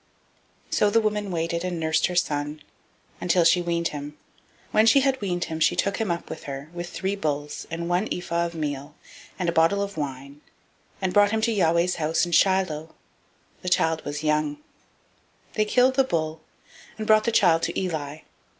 So the woman waited and nursed her son, until she weaned him. 001:024 When she had weaned him, she took him up with her, with three bulls, and one ephah of meal, and a bottle of wine, and brought him to the house of Yahweh in Shiloh: and the child was young. 001:025 They killed the bull, and brought the child to Eli.